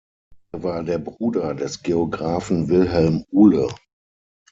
Er war der Bruder des Geografen Wilhelm Ule.